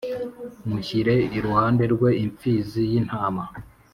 mushyire iruhande rwe impfizi y'intama.